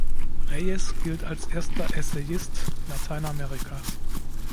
Reyes gilt als erster Essayist Lateinamerikas.